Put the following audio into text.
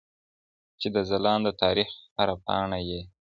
چي د ځلانده تاریخ هره پاڼه یې